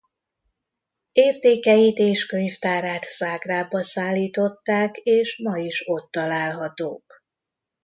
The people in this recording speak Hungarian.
Értékeit és könyvtárát Zágrábba szállították és ma is ott találhatók.